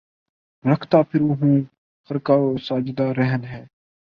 رکھتا پھروں ہوں خرقہ و سجادہ رہن مے